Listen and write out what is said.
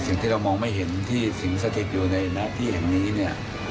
สิ่งที่เรามองไม่เห็นที่สิงสถิตอยู่ในหน้าที่แห่งนี้เนี่ย